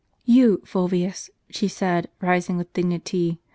" You, Fulvius," she said, rising with dignity.